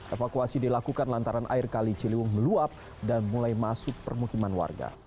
evakuasi dilakukan lantaran air kali ciliwung meluap dan mulai masuk permukiman warga